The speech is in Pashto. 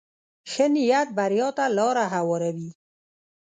ښه نیت بریا ته لاره هواروي.